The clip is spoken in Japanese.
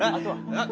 えっ？